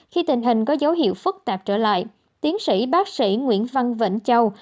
khi tình hình có dấu hiệu phức tạp trở lại tiến sĩ bác sĩ nguyễn văn vĩnh châu